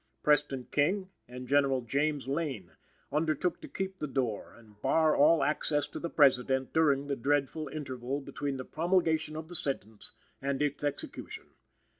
Preston King and General James Lane undertook to keep the door and bar all access to the President during the dreadful interval between the promulgation of the sentence and its execution.